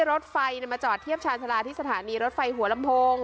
รถไฟมาจอดเทียบชาญชาลาที่สถานีรถไฟหัวลำโพง